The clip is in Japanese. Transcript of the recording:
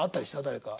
誰か。